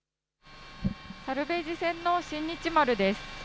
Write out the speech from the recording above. サルベージ船の新日丸です。